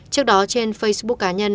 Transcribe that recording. trước đó trên facebook cá nhân